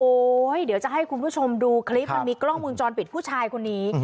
เดี๋ยวจะให้คุณผู้ชมดูคลิปมันมีกล้องมุมจรปิดผู้ชายคนนี้